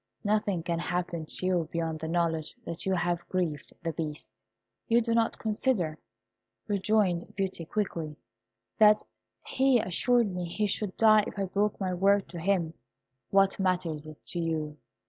Nothing can happen to you beyond the knowledge that you have grieved the Beast." "You do not consider," rejoined Beauty, quickly, "that he assured me he should die if I broke my word to him." "What matters it to you?"